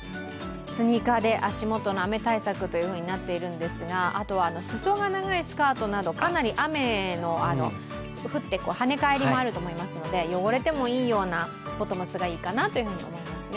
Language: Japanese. スニーカーで足元の雨対策となっているんですがあとは裾が長いスカートなどかなり雨が降ってはね返りもあると思いますので、汚れてもいいようなボトムスがいいかとな思いますね。